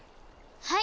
はい！